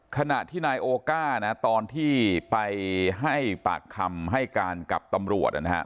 ขณะที่นายโอก้านะตอนที่ไปให้ปากคำให้การกับตำรวจนะครับ